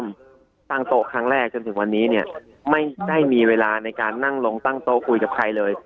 ไม่ได้มีเวลาในการนั่งลงตั้งโต๊ะคุยกับใครเลย